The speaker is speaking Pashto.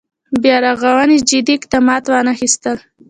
بیا رغونې جدي اقدامات وانخېستل.